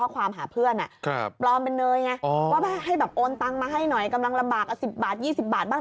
กำลังมาให้หน่อยกำลังลำบาก๑๐บาท๒๐บาทบ้าง